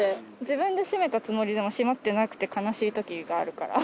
自分で閉めたつもりでも閉まってなくて悲しい時があるから。